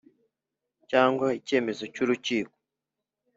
cyangwa icyemezo cy urukiko